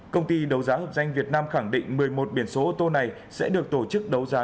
công ty đấu giá hợp danh việt nam khẳng định một mươi một biển số ô tô này sẽ được tổ chức đấu giá